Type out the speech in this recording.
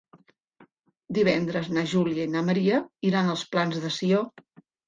Divendres na Júlia i na Maria iran als Plans de Sió.